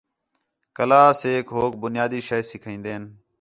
کلاس ہِک ایک ہوک بنیادی شے سکھین٘دِن